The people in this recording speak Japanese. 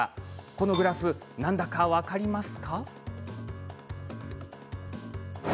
このグラフ、何だか分かります？